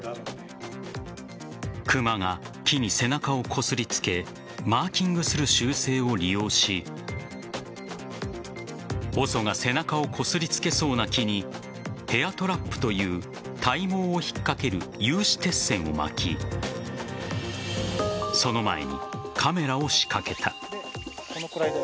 熊が木に背中を擦りつけマーキングする習性を利用しＯＳＯが背中を擦りつけそうな木にヘアトラップという体毛を引っかける有刺鉄線を巻きその前にカメラを仕掛けた。